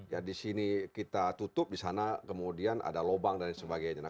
ya di sini kita tutup di sana kemudian ada lubang dan sebagainya